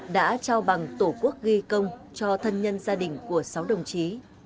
đã trao bằng tổ quốc ghi công cho thân nhân gia đình của sáu đồng chí